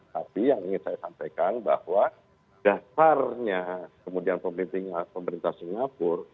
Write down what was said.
tapi yang ingin saya sampaikan bahwa dasarnya kemudian pemerintah singapura